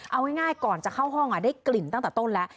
เอาง่ายก่อนจะเข้าห้องได้กลิ่นตั้งแต่ต้นแล้ว